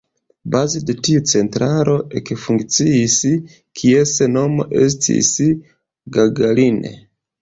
Baze de tio centralo ekfunkciis, kies nomo estis Gagarin.